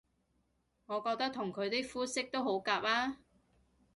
我覺得同佢啲膚色都幾夾吖